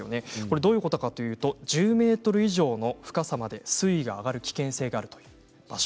どういうことかというと１０ｍ以上の深さまで水位が上がる危険性があるという場所。